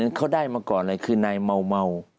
เดี๋ยวเขาได้มาก่อนคือนายเมาเมา